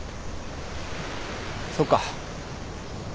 そうか。